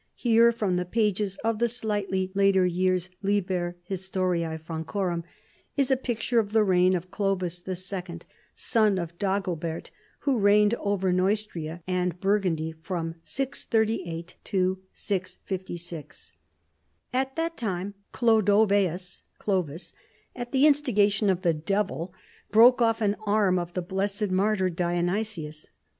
Here, from the pages of the slightly later years Liher Ilistorim Francorum, is a picture of the reign of Clovis II., son of Dagobert, who reigned over Neustria and Burgundy from 638 to 656. " At that time Chlodoveus (Clovis), at the in stigation of the devil, broke off an arm of the blessed martyr Dionysius.